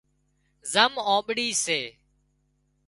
زم آنٻڙي سي